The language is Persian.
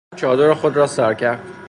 زن چادر خودرا سر کرد